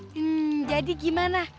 hmm jadi gimana